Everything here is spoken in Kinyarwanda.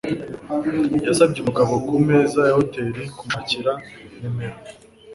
yasabye umugabo ku meza ya hoteri kumushakira nimero